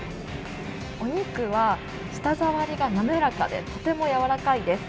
お肉は舌触りが滑らかでとても柔らかいです。